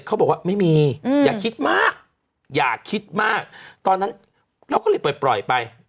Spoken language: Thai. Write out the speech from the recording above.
เขาบอกว่าไม่มีอย่าคิดมากอย่าคิดมากตอนนั้นเราก็เลยปล่อยไป